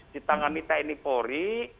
ditangani tni polri